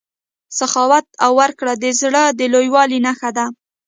سخاوت او ورکړه د زړه د لویوالي نښه ده.